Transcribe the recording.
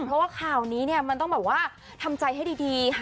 เพราะว่าข่าวนี้เนี่ยมันต้องแบบว่าทำใจให้ดีค่ะ